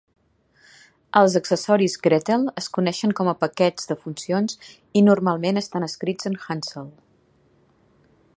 Els accessoris gretl es coneixen com a paquets de funcions i normalment estan escrits en hansl.